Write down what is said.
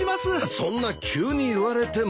そんな急に言われても。